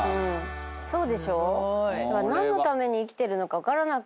そうでしょ？